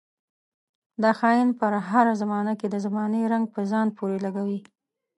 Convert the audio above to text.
دا خاين پر هره زمانه کې د زمانې رنګ په ځان پورې لګوي.